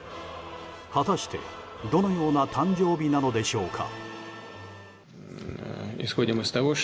果たして、どのような誕生日なのでしょうか。